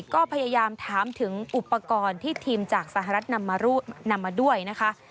ก็พยายามถามถึงอุปกรณ์ที่ทีมจากสหรัฐนำมาด้วยนะคะ